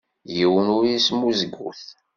Yiwen ur ismuzgut.